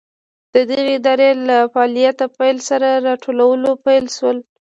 د دغې ادارې له فعالیت پیل سره راټولول پیل شول.